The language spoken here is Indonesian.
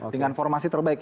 dengan formasi terbaik